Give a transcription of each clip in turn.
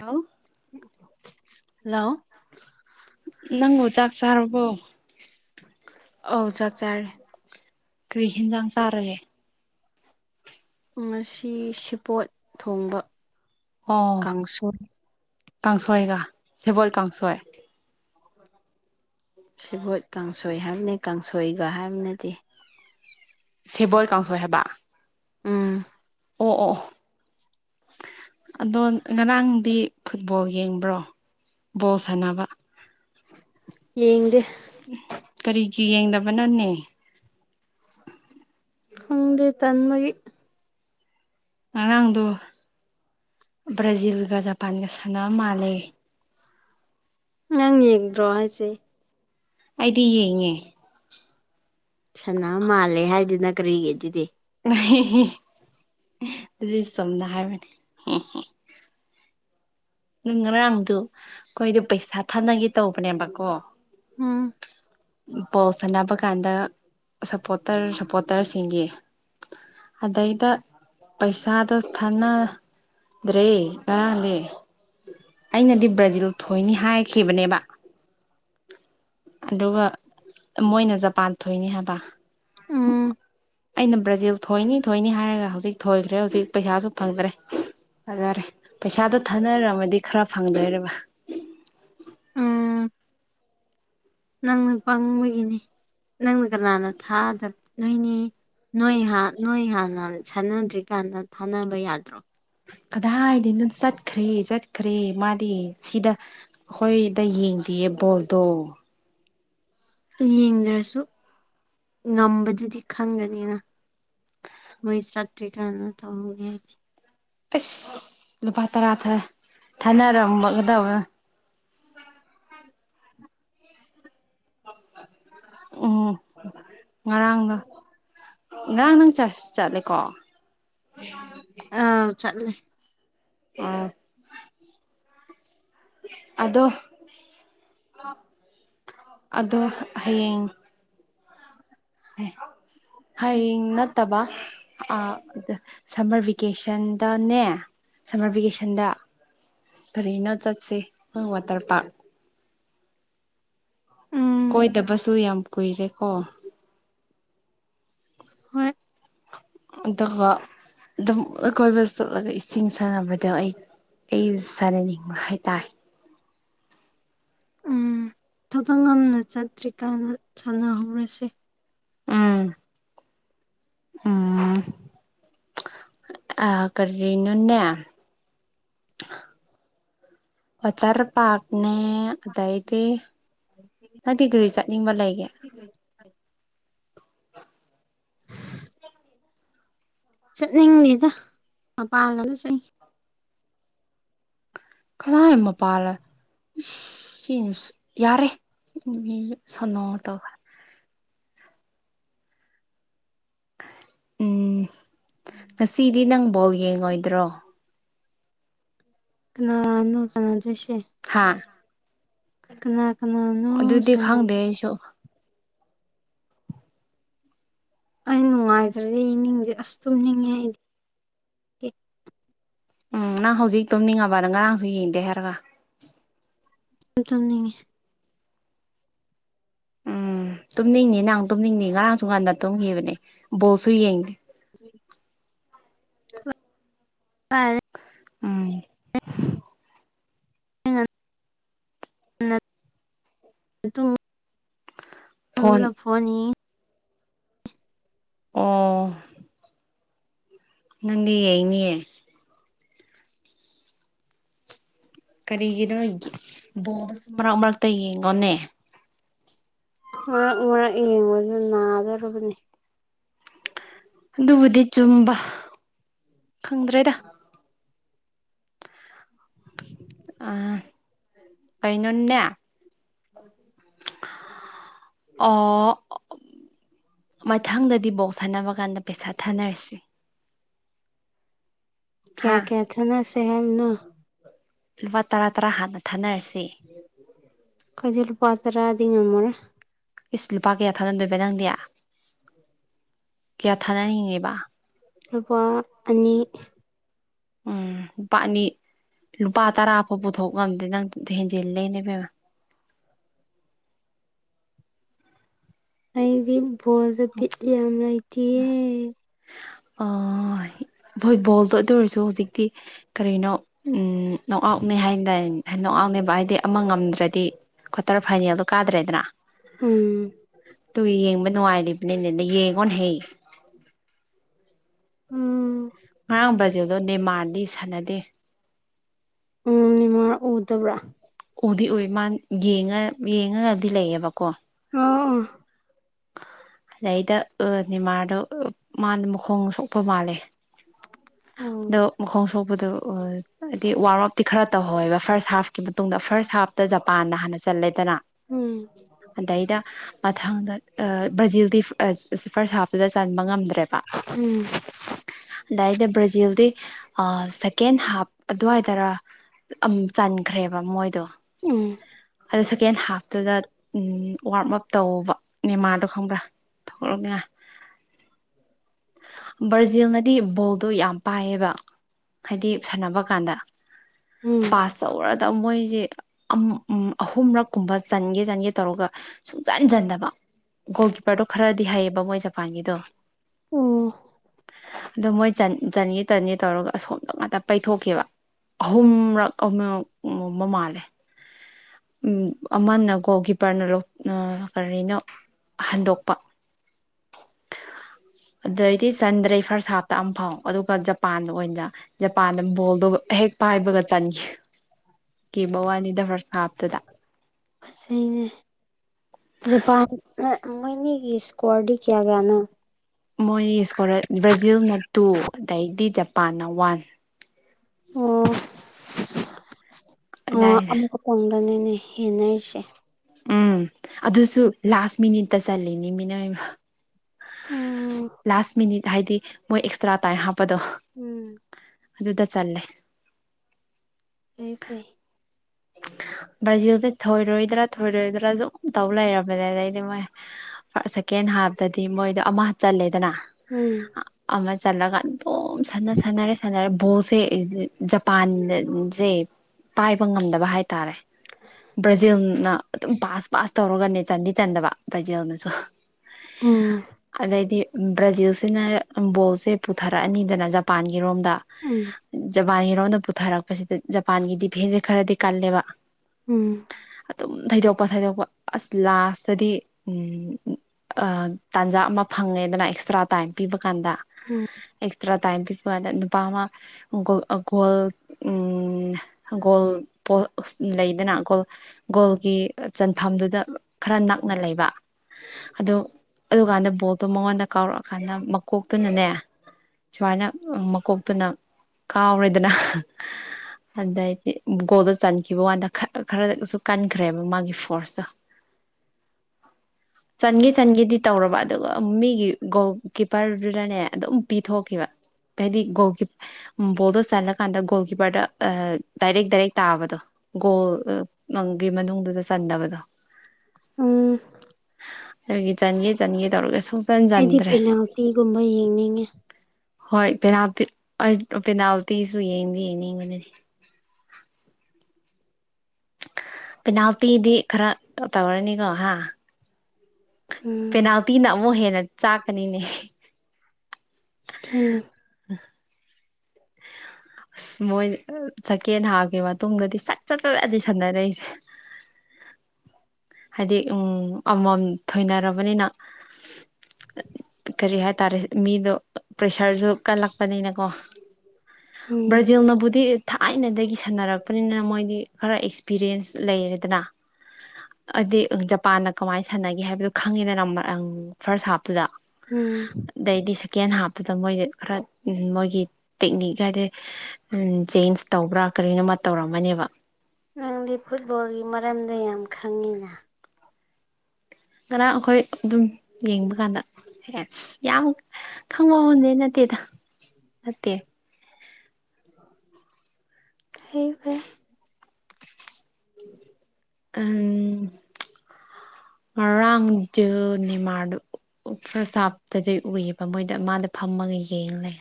hello ꯅꯪꯕꯨ ꯆꯥꯛ ꯆꯥꯔꯕꯣ ꯑ ꯆꯠ ꯆꯥꯔꯦ ꯀ꯭ꯔꯤꯍꯤꯟꯖꯥꯡ ꯁꯥꯥꯔꯒꯦ ꯉꯁꯤ ꯁꯤꯄꯣꯠ ꯊꯣꯡꯕ ꯑꯣ ꯀꯥꯡꯁꯣꯏꯒ ꯁꯦꯕꯣꯜ ꯀꯥꯡꯁꯣꯏ ꯁꯤꯕꯣꯏ ꯀꯥꯡꯁꯣꯏ ꯍꯥꯏꯕꯅꯤ ꯀꯥꯡꯁꯣꯏꯒ ꯍꯥꯏꯕꯅꯗꯤ ꯁꯦꯕꯣꯜ ꯀꯥꯡꯁꯣꯏ ꯍꯥꯏꯕ ꯎꯝ ꯑꯣ ꯑꯣ ꯑꯗꯣ ꯉꯔꯥꯡꯗꯤ ꯐꯨꯠꯕꯣꯜ ꯌꯦꯡꯕ꯭ꯔꯣ ꯕꯣꯜ ꯁꯥꯟꯅꯕ ꯌꯦꯡꯗꯦ ꯀꯔꯤꯒꯤ ꯌꯦꯡꯗꯕꯅꯣꯅꯦ ꯍꯪꯦ ꯇꯟ ꯃꯒꯤ ꯑꯉꯥꯡꯗ ꯭ꯔꯥꯖꯤꯜ ꯀ ꯖꯄꯥꯟꯒ ꯁꯅ ꯃꯥꯂꯦ ꯅꯪ ꯌꯦꯛꯗ꯭ꯔꯣ ꯍꯥꯏꯁꯦ ꯑꯩꯗꯤ ꯌꯦꯡꯉꯦ ꯁꯅ ꯃꯥꯜꯂꯦ ꯍꯥꯏꯗꯨꯅ ꯀꯔꯤꯒꯤ ꯑꯗꯨꯗꯤ ꯑꯗꯨ ꯁꯗꯔꯕꯅꯦ ꯑꯗꯨꯅꯨꯡ ꯉꯔꯥꯡꯗꯨ ꯑꯩꯈꯣꯏꯗ ꯄꯩꯁꯥ ꯊꯅꯒꯦ ꯇꯧꯕꯅꯦꯕꯀꯣ ꯎꯝ ꯄꯥꯎ ꯁꯅꯕ ꯀꯥꯟꯗ ꯁꯞꯄꯣꯔꯇꯔ ꯁꯄꯣꯔꯇꯔꯁꯤꯡꯒꯤ ꯑꯗꯩꯗ ꯄꯩꯁꯥꯗꯣ ꯊꯅ ꯗ꯭ꯔꯦ ꯀꯔꯥꯟꯗ ꯑꯩꯅꯗꯤ ꯕ꯭ꯔꯥꯖꯤꯜ ꯊꯏ ꯅꯤ ꯍꯥꯏꯈꯤꯕꯅꯦꯕ ꯑꯗꯨꯒ ꯃꯣꯏꯅ ꯖꯄꯥꯟ ꯊꯣꯏꯅꯤ ꯍꯥꯏꯕ ꯑꯩꯅ ꯕ꯭ꯔꯥꯖꯤꯜ ꯊꯣꯏꯅꯤ ꯊꯣꯏꯅꯤ ꯍꯥꯏꯔꯒ ꯍꯧꯖꯤꯛ ꯊꯣꯏꯈ꯭ꯔꯦ ꯍꯧꯖꯤꯛ ꯄꯩꯁꯥꯁꯨ ꯐꯪꯗ꯭ꯔꯦ ꯐꯖꯔꯦ ꯄꯩꯁꯥꯗꯣ ꯊꯥꯅꯔꯝꯃꯗꯤ ꯈꯔ ꯐꯪꯗꯣꯏꯕ ꯎ ꯅꯪꯅ ꯅꯨ ꯄꯉꯕꯒꯤꯅꯤ ꯅꯪꯅ ꯀꯅꯥꯅ ꯊꯥꯗꯕ ꯅꯣꯏꯅꯤ ꯅꯣꯏ ꯅꯣꯏ ꯍꯥꯟꯅ ꯁꯥꯟꯅꯗ꯭ꯔꯤꯀꯥꯟꯗ ꯊꯥꯅꯕ ꯌꯥꯗ꯭ꯔꯣ ꯀꯗꯥꯏꯗꯤ ꯅꯪ ꯆꯠꯈ꯭ꯔꯦ ꯆꯠꯈ꯭ꯔꯦ ꯃꯥꯗꯤ ꯁꯤꯗ ꯑꯩꯈꯣꯏꯗ ꯌꯦꯡꯕꯤꯌꯦ ꯕꯣꯜꯗꯣ ꯌꯦꯡꯗ꯭ꯔꯁꯨ ꯉꯝꯕꯗꯨꯗꯤ ꯈꯪꯒꯅꯤꯅ ꯃꯣꯏ ꯆꯠꯇ꯭ꯔꯤ ꯀꯥꯏꯅ ꯇꯧꯍꯧꯒꯦ ꯍꯥꯏꯗꯤ ꯑꯁ ꯂꯨꯄꯥ ꯇꯔꯥ ꯊꯥꯅꯔꯝꯃꯒꯗꯕ ꯍ ꯎꯝ ꯉꯔꯥꯡꯗ ꯉꯔꯥꯡ ꯅꯪ ꯆꯥꯁ ꯆꯠꯂꯦꯀꯣ ꯑ ꯆꯂꯦ ꯑ ꯑꯗꯣ ꯑ ꯑꯗꯣ ꯍꯌꯦꯡꯡ ꯍ ꯍꯌꯦꯡ ꯅꯠꯇꯕ ꯁꯝꯃꯔ ꯚꯦꯀꯦꯁꯟꯗꯅꯦ ꯁꯝꯃꯔ ꯚꯦꯀꯦꯁꯟꯗ ꯐꯔꯦꯅ ꯆꯠꯁꯦ ꯑ ꯋꯥꯇꯔ ꯄꯥꯔꯛ ꯀꯣꯏꯗꯕꯁꯨ ꯌꯥꯝ ꯀꯨꯏꯔꯦ ꯀꯣ ꯍꯣꯏ ꯑꯗ ꯏ ꯀꯣꯏ ꯆꯣꯠꯂꯒ ꯏꯁꯤꯡ ꯁꯥꯟꯅꯕꯗꯣ ꯑꯩ ꯑꯩ ꯁꯥꯟꯅꯅꯤꯡꯕ ꯍꯥꯏꯇꯥꯔꯦ ꯎꯝ ꯊꯗꯛ ꯉꯝꯅ ꯆꯠꯇ꯭ꯔꯤ ꯀꯥꯏꯅ ꯁꯥꯟꯅꯍꯧꯔꯁꯦ ꯑꯝ ꯎꯝ ꯑ ꯀꯔꯤꯅꯟꯅꯦ ꯑꯆꯔ ꯄꯥꯄꯅꯦ ꯑꯗꯏꯗꯤ ꯅꯪꯗꯤꯒ꯭ꯔꯤ ꯆꯠꯅꯤꯡꯕ ꯂꯩꯒꯦ ꯆꯠꯅꯤꯡꯉꯦꯗ ꯃꯄꯥꯟꯒꯗ ꯆꯠ ꯀꯅꯥ ꯃꯄꯥꯜꯂꯁ ꯁꯤ ꯌꯥꯔꯦ ꯎ ꯁꯅ ꯇ ꯎꯝ ꯉꯁꯤꯗꯤ ꯅꯪ ꯕꯣꯜ ꯌꯦꯡꯉꯣꯏꯗ꯭ꯔꯣ ꯀꯅꯥꯅꯣ ꯇ ꯍꯥꯥ ꯀꯅꯥ ꯀꯅꯥꯅꯣ ꯁꯅ ꯑꯩ ꯅꯨꯡꯉꯥꯏꯇ꯭ꯔꯗꯤꯅꯤꯡꯗꯤꯦ ꯑꯁ ꯇꯨꯝꯅꯤꯡꯉꯦ ꯑꯩꯗꯤ ꯎꯝ ꯅꯪ ꯍꯧꯖꯤꯛ ꯇꯨꯝꯅꯤꯡꯉꯕꯗ ꯉꯔꯥꯡꯁꯨ ꯌꯦꯡꯗꯦ ꯍꯥꯏꯔꯒ ꯆꯉ ꯇꯨꯝꯅꯤꯡꯅꯤ ꯅꯍꯪ ꯇꯨꯝꯅꯤꯡꯅꯤ ꯉꯔꯥꯡꯁꯨ ꯉꯥꯟꯗ ꯇꯨꯝꯈꯤꯕꯅꯦ ꯕꯣꯜꯁꯨ ꯌꯦꯡꯗꯦ ꯎ ꯍ ꯑ ꯠꯇ ꯗ ꯐꯣꯅꯤ ꯑꯣ ꯅꯪꯦ ꯏꯅꯤꯑꯦ ꯀꯔꯤꯒꯤꯅꯣ ꯣꯙ ꯁꯝꯕ꯭ꯔꯝꯝꯕꯛꯇ ꯌꯦꯡꯉꯣꯅꯦ ꯃꯔꯛ ꯃꯔꯛ ꯌꯦꯡꯕꯗ ꯅꯥꯗꯔꯤꯕꯅꯤ ꯑꯗꯨꯕꯨꯗꯤ ꯆꯨꯝꯕ ꯈꯪꯗ꯭ꯔꯦꯗ ꯑ ꯀꯩꯅꯣꯟꯅꯦ ꯑ ꯃꯊꯪꯗꯗꯤ ꯕꯣꯛꯁ ꯊꯟꯅꯅꯕ ꯀꯥꯟꯗ ꯄꯩꯁꯥ ꯊꯥꯅꯔꯁꯤ ꯀꯌꯥ ꯀꯌꯥ ꯊ ꯅ ꯁꯦꯍꯦꯝꯅ ꯂꯨꯄꯥ ꯇꯔꯥ ꯇꯔꯥ ꯍꯥꯟꯅ ꯊꯥꯅꯔꯁꯤ ꯀꯖꯜ ꯄꯥꯇ꯭ꯔ ꯑꯗꯨꯉ ꯃꯣꯔ ꯏꯁꯁ ꯂꯨꯄꯥ ꯀꯌꯥ ꯊꯥꯅꯟꯗꯣꯏꯕ ꯅꯪꯗꯤ ꯀꯌꯥ ꯊꯥꯅꯅꯤꯡꯉꯦꯕ ꯑꯗꯨꯒꯄꯥ ꯑꯅꯤ ꯎꯝꯄꯥꯅꯤ ꯂꯨꯄꯥ ꯇꯔꯥ ꯐꯥꯎ ꯄꯨꯊꯣꯛ ꯉꯝꯗꯦ ꯅꯪ ꯍꯦꯟꯖꯤꯦꯜ ꯂꯩꯅꯦꯕꯦꯝꯕ [inaudible] ꯑꯩꯗꯤ ꯕꯣꯜꯗ ꯄꯤꯠꯂꯤ ꯌꯥꯝ ꯂꯩꯇꯦꯌꯦ ꯑꯣ ꯍꯣꯏ ꯕꯣꯜꯗꯣ ꯑꯗꯨ ꯑꯣꯏꯔꯁꯨ ꯍꯧꯖꯤꯛꯇꯤ ꯀꯔꯤꯅꯣ ꯎꯝ ꯅꯣꯛꯎꯞꯅꯦꯩ ꯍꯥꯏꯗꯥ ꯥꯎꯅꯦꯕ ꯍꯥꯏꯗꯤ ꯑꯃ ꯉꯝꯗ꯭ꯔꯗꯤ ꯀ꯭ꯋꯥꯇꯔ ꯐꯥꯏꯅꯦꯜꯗꯣ ꯀꯥꯗ꯭ꯔꯦꯗꯅ ꯎꯝ ꯇꯨ ꯌꯦꯡꯕ ꯅꯨꯡꯉꯥꯏꯕꯅꯤꯅꯦꯅ ꯌꯦꯡꯉꯣꯅ ꯍꯩ ꯎꯝ ꯉꯔꯥꯡ ꯕ꯭ꯔꯥꯖꯤꯦꯜꯗꯣ ꯗꯦꯃꯥꯔꯗꯤ ꯁꯥꯟꯅꯗꯦ ꯎꯗꯕ꯭ꯔꯥ ꯎꯗꯤ ꯎ ꯃꯥ ꯌꯦꯡꯉ ꯌꯦꯡꯉꯒꯗꯤ ꯂꯩꯌꯦꯕꯀꯣ ꯑꯗꯩꯗ ꯅꯤꯃꯥꯗꯣ ꯃꯥꯅ ꯃꯈꯣꯡ ꯁꯣꯛꯄ ꯃꯥꯜꯂꯦ ꯑꯗꯣ ꯃꯈꯣꯡ ꯁꯣꯛꯄꯗ ꯍꯥꯏꯗꯤ ꯋꯥꯔꯝ ꯑꯞꯇꯤ ꯈꯔ ꯇꯧꯍꯧꯋꯦꯕ ꯐꯥꯔꯁ ꯍꯥꯐꯀꯤ ꯃꯇꯨꯡꯗ ꯐꯥꯔꯁ ꯍꯥꯐꯇ ꯖꯄꯥꯟꯗ ꯍꯥꯟꯅ ꯆꯜꯂꯦꯗꯅ ꯎꯝ ꯑꯗꯩꯗ ꯃꯊꯪꯗ ꯕ꯭ꯔꯥꯖꯤꯜꯗꯤ ꯐꯥꯔꯁ ꯍꯥꯞꯇꯨꯗ ꯆꯟꯕ ꯉꯝꯗ ꯎꯝ ꯕ꯭ꯔꯖꯤꯜꯗꯤ ꯁꯦꯀꯦꯟ ꯍꯥꯞ ꯑꯗꯨꯋꯥꯏꯗꯔ ꯝ ꯆꯟꯈ꯭ꯔꯦꯕ ꯃꯣꯏꯗꯣ ꯎꯝ ꯑꯗꯣ ꯁꯦꯀꯦꯟ ꯍꯥꯐꯇꯨꯗ ꯎ ꯋꯥꯔꯝ ꯑꯞ ꯇꯧꯕꯧꯕ ꯃꯦꯃꯥꯔꯗꯣ ꯈꯪꯕ꯭ꯔꯥ ꯄꯨꯔꯉ ꯕ꯭ꯔꯥꯖꯤꯜꯅꯗꯤ ꯕꯣꯜꯗꯣ ꯌꯥꯝ ꯄꯥꯏꯌꯦꯕ ꯍꯥꯏꯗꯤ ꯁꯥꯟꯅꯕ ꯀꯥꯟꯗ ꯄꯥꯁ ꯇꯧꯔꯗ ꯃꯣꯏꯁꯦ ꯑꯍꯨꯝꯔꯛ ꯀꯨꯝꯕ ꯆꯟꯒꯦ ꯆꯟꯒꯦ ꯇꯧꯔꯒ ꯁꯨꯡꯆꯟꯖꯟꯗꯕ ꯒꯣꯜ ꯀꯤꯞꯄꯔꯗꯣ ꯈꯔꯗꯤ ꯍꯩꯌꯦꯕ ꯃꯣꯏ ꯖꯄꯥꯟꯒꯤꯗꯣ ꯑꯣ ꯆꯅꯦ ꯇꯅꯦ ꯇꯧꯔꯒ ꯑꯁꯣꯝꯗ ꯉꯥꯛꯇ ꯄꯩꯊꯣꯛꯈꯤꯕꯦꯕ ꯑꯍꯨꯝꯔꯛ ꯑꯍꯛ ꯃ ꯃꯥꯜꯂꯦ ꯎꯝ ꯑꯃꯅ ꯀꯒꯣ ꯀꯄꯔꯅ ꯀꯔꯤꯅꯣ ꯍꯟꯗꯣꯛꯄ ꯑꯗꯏꯗꯤ ꯆꯟꯗ꯭ꯔꯦꯩ ꯐꯥꯔꯁꯠ ꯍꯥꯞꯇꯥ ꯑꯃꯨ ꯑꯗꯨꯒ ꯖꯄꯥꯟꯗ ꯑꯣꯏꯅ ꯖꯄꯥꯟꯗ ꯕꯣꯜꯗꯒ ꯍꯦꯛ ꯄꯥꯏꯕꯒ ꯆꯟꯈꯤ ꯀꯦ ꯋꯥꯅꯤꯗ ꯐꯔꯁ ꯍꯥꯞꯇꯨꯗ ꯑꯁꯅꯦ ꯖꯄꯥꯟ ꯃꯅꯤꯒꯤ ꯏꯁꯀ꯭ꯋꯥꯔꯗꯤ ꯀꯌꯥꯒꯌꯥ ꯅ ꯃꯣꯏ ꯏꯁꯀ ꯕ꯭ꯔꯥꯖꯤꯜꯅ ꯇꯨ ꯑꯗꯩꯗꯤ ꯖꯄꯥꯟꯅ ꯋꯥꯟ ꯑꯣ ꯑ ꯑꯃ ꯀ ꯑꯗꯨꯅꯤꯅꯦ ꯍꯦꯟꯅꯔꯤꯁꯦ ꯎꯝ ꯑꯗꯨꯁꯨ ꯂꯥꯁ ꯃꯤꯅꯤꯠꯇ ꯆꯅꯤ ꯃꯤꯅꯃ ꯂꯥꯁ ꯃꯤꯅꯤꯠ ꯍꯥꯏꯗꯤ ꯃꯣꯏ ꯑꯦꯛꯁꯇ꯭ꯔꯥ ꯇꯥꯏꯝ ꯍꯥꯞꯄꯗꯣ ꯑꯗꯨ ꯑꯗꯨꯗ ꯆꯂꯦ ꯑꯩ ꯐꯩ [unintelligible] ꯕ꯭ꯔꯥꯖꯤꯜꯗ ꯊꯣꯏꯔꯣꯏꯗ꯭ꯔꯥ ꯊꯣꯏꯔꯣꯏꯗ꯭ꯔꯥ ꯁꯨꯝꯝ ꯇꯧ ꯂꯩꯔꯕꯅꯦ ꯑꯗꯩꯗꯤ ꯃꯣꯏ ꯐꯥꯔ ꯁꯦꯀꯦꯟ ꯍꯥꯏꯕꯗꯗꯤ ꯃꯣꯏꯗꯣ ꯑꯃ ꯆꯜꯂꯦꯗꯅ ꯑꯃ ꯆꯠꯂꯒꯥꯟ ꯇꯣꯝ ꯁꯥꯟꯅ ꯁꯅꯔꯦ ꯁꯥꯟꯅꯔꯦ ꯕꯣꯁꯦ ꯖꯄꯥꯟꯁꯦ ꯄꯥꯏꯕ ꯉꯝꯗꯕ ꯍꯥꯏꯇꯥꯔꯦ ꯕ꯭ꯔꯥꯖꯤꯜꯅ ꯑꯗꯨꯝ ꯄꯥꯁ ꯄꯥꯁ ꯇꯧꯔꯒꯅꯦ ꯆꯟꯗꯤ ꯆꯟꯗꯕ ꯕ꯭ꯔꯥꯖꯤꯜꯅꯁꯨ ꯑꯗꯗꯤ ꯕ꯭ꯔꯥꯖꯤꯜꯁꯤꯅ ꯕꯣꯜꯁꯦ ꯄꯨꯊꯔꯛꯑꯅꯤꯗꯅ ꯖꯄꯥꯟꯒꯤ ꯣꯝꯗ ꯖꯄꯥꯟꯒꯤꯔꯣꯝꯗ ꯄꯨꯊꯔꯛꯄꯁꯤꯗ ꯖꯄꯥꯟꯒꯤ ꯗꯤꯚꯦꯟꯁꯦ ꯈꯔꯗꯤ ꯀꯂꯕ ꯎꯝ ꯑꯗꯨꯝ ꯊꯩꯗꯣꯛꯄ ꯊꯩꯗꯣꯛꯄ ꯑꯁ ꯂꯥꯁꯇꯗꯤ ꯇꯥꯟꯖꯥ ꯑꯃ ꯐꯪꯉꯦꯗꯅ ꯑꯦꯛꯁꯇ꯭ꯔꯥ ꯇꯥꯏꯝ ꯄꯤꯕ ꯀꯥꯟꯗ ꯑꯦꯛꯁꯇ꯭ꯔꯥ ꯇꯥꯏꯝ ꯄꯤꯕ ꯀꯥꯟꯗ ꯅꯨꯄꯥ ꯑꯃ ꯒꯣꯜꯒꯣꯜ ꯎꯝꯒꯣꯜ ꯂꯩꯗꯅ ꯒꯣꯜ ꯒꯣꯜꯒꯤ ꯆꯟꯐꯝꯗꯨꯗ ꯈꯔ ꯅꯛꯅ ꯂꯩꯕ ꯑꯗꯨ ꯑꯗꯨꯀꯥꯟꯗ ꯕꯣꯠꯇꯣ ꯃꯉꯣꯟꯗ ꯀꯥꯎꯔꯛꯑꯀꯥꯟꯗ ꯃꯀꯣꯛꯇꯨꯅꯅꯦ ꯁꯨꯃꯥꯏꯅ ꯃꯀꯣꯛꯇꯨꯅ ꯀꯥꯎꯔꯦꯗꯅ ꯑꯗꯗꯤꯣꯗ ꯆꯟꯈꯤꯕ ꯋꯥꯥꯟꯗ ꯈꯔꯗꯁꯨ ꯀꯟꯈ꯭ꯔꯦꯕ ꯃꯥꯒꯤ ꯐꯣꯔꯁꯇꯣ ꯆꯟꯒꯦ ꯆꯟꯒꯦꯗꯤ ꯇꯧꯔꯕ ꯑꯗꯨꯒ ꯃꯤꯒꯤ ꯒꯣꯜ ꯀꯤꯞꯄꯔꯗꯨꯅꯅꯦ ꯑꯗꯨꯝ ꯄꯤꯊꯣꯛꯈꯤꯕ ꯍꯥꯏꯗꯤ ꯣꯜ ꯀꯣꯗꯣ ꯆꯂ ꯀꯥꯟꯗ ꯣꯜꯀꯤꯤꯄꯔ ꯗꯥꯏꯔꯦꯦꯛ ꯗꯥꯏꯔꯦ ꯇꯥꯕꯗꯣ ꯒꯣꯜ ꯒꯤ ꯃꯅꯨꯡꯗꯨꯗ ꯆꯟꯗꯕꯗꯣ ꯎꯝ ꯑꯩꯗꯤ ꯄꯤꯅꯥꯎꯇꯤꯒꯨꯝꯕ ꯌꯦꯡꯅꯤꯡꯉꯦ ꯍꯣꯏ ꯄꯦꯅꯥꯜꯇꯤ ꯄꯦꯅꯥꯜꯇꯤꯁꯨ ꯌꯦꯡꯗꯤ ꯌꯦꯡꯅꯤꯡꯕꯗꯤ ꯏꯅꯥꯎꯄꯤꯗꯤ ꯈꯔ ꯇꯧꯔꯅꯤꯀꯣ ꯍꯥ ꯄꯦꯅꯥꯎꯇꯤꯅ ꯑꯃꯨꯛ ꯍꯦꯟꯅ ꯆꯥꯛꯀꯅꯤꯅꯦ ꯊꯅ ꯑ ꯃꯣꯏ ꯆꯀꯦꯟ ꯍꯥꯞꯈꯤ ꯃꯇꯨꯡꯗꯗꯤ ꯁꯠ ꯆꯠ ꯆꯠꯂꯗꯤ ꯁꯥꯟꯅꯔꯛꯏꯁꯦ ꯍꯥꯏꯗꯤ ꯎꯝ ꯑꯃꯝ ꯊꯣꯏꯅꯔꯕꯅꯤꯅ ꯑ ꯀꯔꯤ ꯍꯥꯏꯇꯥꯔꯦ ꯃꯤꯗꯣ ꯄ꯭ꯔꯦꯁꯔꯁꯨ ꯀꯜꯂꯛꯄꯅꯤꯅꯀꯣ ꯕ꯭ꯔꯥꯖꯤꯜꯅꯕꯨꯗꯤ ꯊꯥꯏꯅꯗꯒꯤ ꯁꯥꯟꯅꯔꯛꯄꯅꯤꯅ ꯃꯣꯏꯗꯤ ꯈꯔ ꯑꯦꯛꯁꯄꯤꯔꯤꯌꯦꯟꯁ ꯂꯩꯔꯦꯗꯅ ꯑꯗꯤ ꯖꯄꯥꯟ ꯀꯃꯥꯏꯅ ꯁꯥꯟꯅꯒꯦ ꯍꯥꯏꯕꯗꯨꯣ ꯈꯪꯉꯤꯗꯅ ꯐꯥꯔꯁ ꯍꯥꯞꯇꯨꯗ ꯑꯗꯩꯗꯤ ꯁꯦꯀꯦꯟ ꯍꯥꯞ ꯑꯗꯨꯗ ꯃꯣꯏꯗꯤ ꯈꯔ ꯃꯣꯏꯒꯤ ꯇꯦꯛꯅꯤꯛ ꯍꯥꯏꯗꯤ ꯎꯝ ꯆꯦꯟꯖ ꯇꯧꯕ꯭ꯔꯥ ꯀꯔꯤꯅꯣꯃ ꯇꯧꯔꯝꯃꯅꯦꯕ ꯅꯪꯗꯤ ꯐꯨꯠꯕꯣꯜꯒꯤ ꯃꯔꯝꯗ ꯌꯥꯝ ꯈꯪꯉꯤꯅ ꯀꯅꯥ ꯑꯩꯈꯣꯏ ꯑꯗꯨꯝ ꯌꯦꯡꯕ ꯀꯥꯟꯗ ꯑꯦ ꯌꯥꯝ ꯈꯪꯕ ꯍꯗꯦ ꯅꯠꯇꯦꯗ ꯃꯠꯇꯦ ꯍ ꯎꯝ ꯉꯔꯥꯡꯗ ꯅꯤꯃꯥꯔꯗ ꯄ꯭ꯔꯁꯥꯞꯇꯗꯤ ꯎꯏꯑꯕ ꯃꯣꯏꯗ ꯃꯥꯗ ꯐ ꯃꯃꯒꯤ ꯀꯅꯦ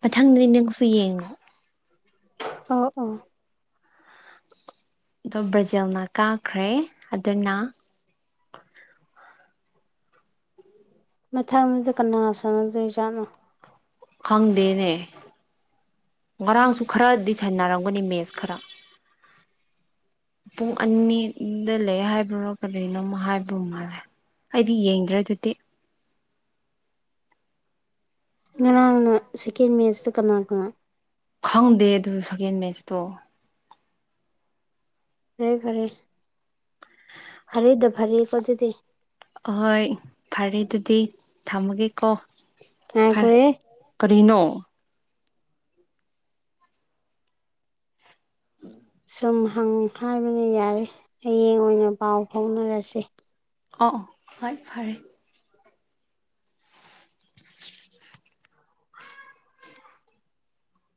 ꯃꯊꯪꯗꯗꯤ ꯅꯪꯁꯨ ꯌꯦꯡꯉꯣ ꯑ ꯑ ꯑꯗꯣ ꯕ꯭ꯔꯖꯤꯜꯅ ꯀꯥꯈ꯭ꯔꯦ ꯑꯗꯨꯅ ꯃꯊꯪꯗꯨꯗ ꯀꯅꯥ ꯁꯥꯟꯅꯗꯣꯏꯖꯥꯠꯅꯣ ꯈꯪꯗꯦꯅꯦ ꯉꯔꯥꯡꯁꯨ ꯈꯔꯗꯤ ꯁꯥꯟꯟꯅꯔꯝꯒꯅꯤ ꯃꯦꯠꯁ ꯈꯔ ꯄꯨꯡ ꯑꯅꯤꯗ ꯂꯩ ꯍꯥꯏꯕ ꯀꯔꯤꯅꯣꯃ ꯍꯥꯏꯕ ꯃꯥꯜꯂꯦ ꯑꯩꯗꯤ ꯌꯦꯡꯗ꯭ꯔꯦ ꯑꯗꯨꯗꯤ ꯉꯔꯥꯡꯅ ꯁꯦꯀꯦꯟ ꯃꯦꯠꯁꯇ ꯀꯅꯥ ꯀꯅꯥꯣ ꯈꯪꯗꯦ ꯑꯗꯨ ꯁꯦꯀꯦꯟ ꯃꯦꯠꯆꯇꯣ ꯍ ꯐꯔꯦ ꯐꯔꯤꯗ ꯐꯔꯤꯦ ꯀꯠꯇꯗꯤ ꯑꯍꯣꯏ ꯐꯔꯦ ꯑꯗꯨꯗꯤ ꯊꯝꯃꯒꯦꯀꯣ ꯐ ꯀꯔꯤꯅꯣ ꯎꯝ ꯁꯨꯝ ꯍꯪ ꯍꯥꯏꯕꯅ ꯌꯥꯔꯦ ꯍꯌꯦꯡ ꯑꯣꯏꯅ ꯄꯥꯎ ꯐꯥꯎꯅꯔꯁꯦ ꯑ ꯍ ꯐꯔꯦ